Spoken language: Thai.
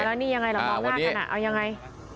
อ่าแล้วนี่ยังไงเหรอมองหน้ากันอ่ะเอายังไง